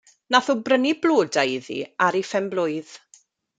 Nath o brynu blodau iddi ar 'i phen-blwydd.